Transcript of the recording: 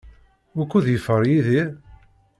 Wukud yeffeɣ Yidir?